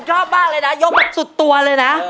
ชอบมากเลยนะยกแบบสุดตัวเลยนะ